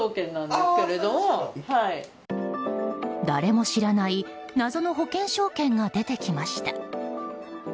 誰も知らない謎の保険証券が出てきました。